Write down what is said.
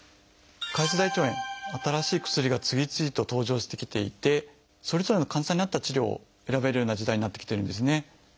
潰瘍性大腸炎新しい薬が次々と登場してきていてそれぞれの患者さんに合った治療を選べるような時代になってきてるんですね。